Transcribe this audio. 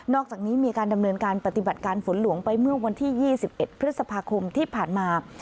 อกจากนี้มีการดำเนินการปฏิบัติการฝนหลวงไปเมื่อวันที่๒๑พฤษภาคมที่ผ่านมา